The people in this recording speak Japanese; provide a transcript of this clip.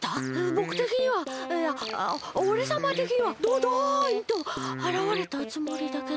ぼくてきにはいやおれさまてきにはドドンとあらわれたつもりだけど。